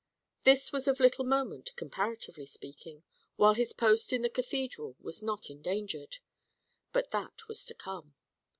This was of little moment, comparatively speaking, while his post in the Cathedral was not endangered. But that was to come.